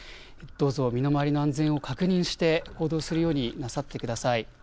どうぞ身の回りの安全を確認して行動するようになさってください。